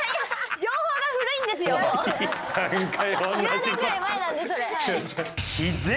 １０年ぐらい前なんでそれ。